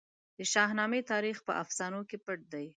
د شاهنامې تاریخ په افسانو کې پټ دی.